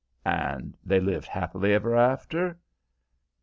"And they lived happy ever after?"